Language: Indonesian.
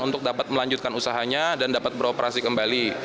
untuk dapat melanjutkan usahanya dan dapat beroperasi kembali